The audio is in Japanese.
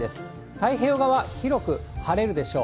太平洋側、広く晴れるでしょう。